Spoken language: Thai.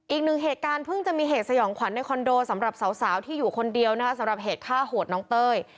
อีกหนึ่งเหตุการณ์เพิ่งจะมีเหตุสยองขวัญในคอนโดสำหรับสาวที่อยู่คนเดียวนะคะสำหรับเหตุฆ่าโหดน้องเต้ย